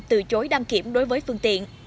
từ chối đăng kiểm đối với phương tiện